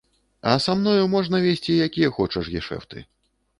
А са мною можна весці якія хочаш гешэфты.